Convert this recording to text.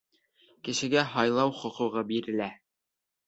— Кешегә һайлау хоҡуғы бирелә.